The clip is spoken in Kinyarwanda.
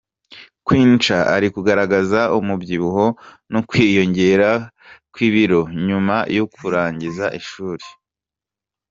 Queen Cha ari kugaragaza umubyibuho no kwiyongera kw'ibiro nyuma yo kurangiza ishuri.